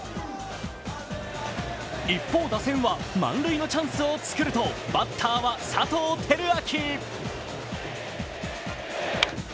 一方、打線は満塁のチャンスを作るとバッターは佐藤輝明。